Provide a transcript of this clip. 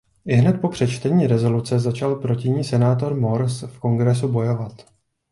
Ihned po přečtení rezoluce začal proti ní senátor Morse v Kongresu bojovat.